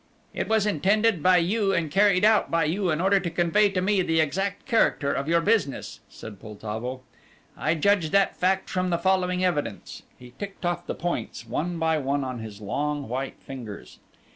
"It was intended by you and carried out by you in order to convey to me the exact character of your business," said Poltavo. "I judged that fact from the following evidence." He ticked off the points one by one on his long white fingers.